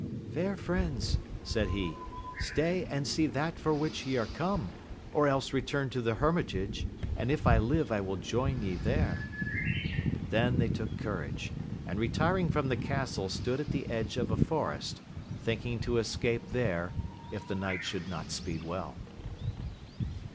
Fair friends, said he, stay and see that for which ye are come, or else return to the hermitage, «i,nd\£ I ^N^l\^\^^xi^^'OcL^^'^. T\iajQ. AMADIS OF GAUL 75 they took courage, and retiring from the castle stood at the edge of a forest, thinking to escape there if the knight should not speed well.